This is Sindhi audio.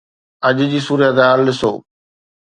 اڄ جي صورتحال ڏسو.